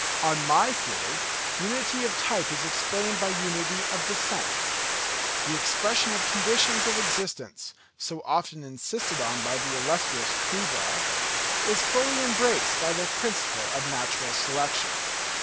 On my theory, unity of type is explained by unity of descent. The expression of conditions of existence, so often insisted on by the illustrious Cuvier, is fully embraced by the principle of natural selection.